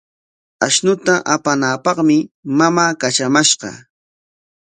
Ashnuta apanaapaqmi mamaa katramashqa.